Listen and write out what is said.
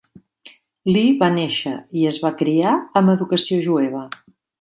Lee va néixer i es va criar amb educació jueva.